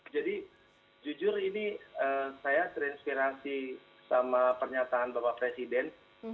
jadi jujur ini saya terinspirasi sama pernyataan bapak presiden